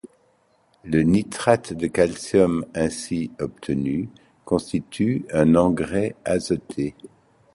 Le nitrate de calcium ainsi obtenu constitue un engrais azoté.